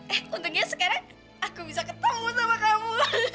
eh untungnya sekarang aku bisa ketemu sama kamu